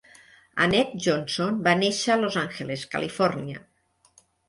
Annette Johnson va néixer a Los Angeles, Califòrnia.